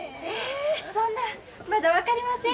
そんなんまだ分かりません。